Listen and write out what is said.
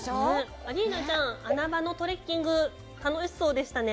アリーナちゃん、穴場のトレッキング、楽しそうでしたね。